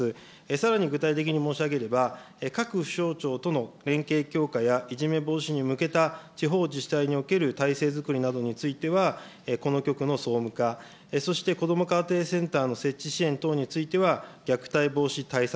さらに具体的に申し上げれば、各省庁との連携強化やいじめ防止に向けた地方自治体における体制づくりなどについては、この局の総務課、そしてこども家庭センターの設置支援等については虐待防止対策